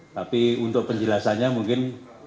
tapi untuk penjelasannya mungkin